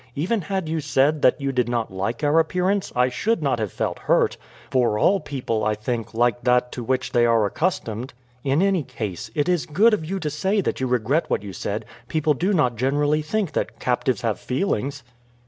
Even had you said that you did not like our appearance I should not have felt hurt, for all people I think like that to which they are accustomed; in any case, it is good of you to say that you regret what you said; people do not generally think that captives have feelings."